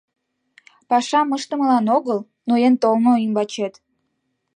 Пашам ыштымылан огыл, ноен толмо ӱмбачет.